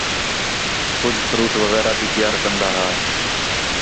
کُج فروٹ وغیرہ بھی تیار کن٘دا ہا